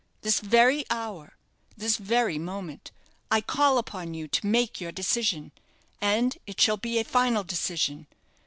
This very hour, this very moment, I call upon you to make your decision; and it shall be a final decision.